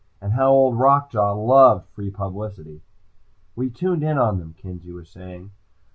And how Old Rock Jaw loved free publicity! "We tuned in on them," Kenzie was saying.